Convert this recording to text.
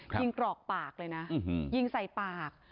กรอกปากเลยนะยิงใส่ปาก